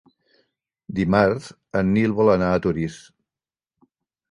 Dimarts en Nil vol anar a Torís.